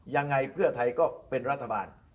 ยังไงเพื่อไทยก็เป็นรัฐบาล